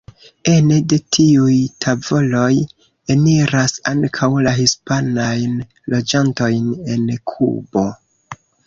Ene de tiuj tavoloj eniras ankaŭ la hispanajn loĝantojn en Kubo.